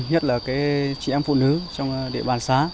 nhất là chị em phụ nữ trong địa bàn xã